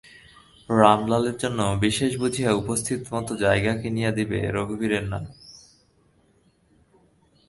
রামলালের জন্য বিশেষ বুঝিয়া উপস্থিত মত জায়গা কিনিয়া দিবে রঘুবীরের নামে।